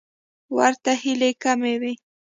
ورته هیلې کمې وې.